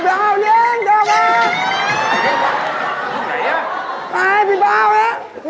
คนที่ไหนหิ